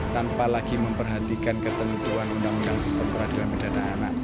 tanpa lagi memperhatikan ketentuan undang undang sistem peradilan pidana anak